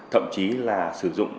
thậm chí là sử dụng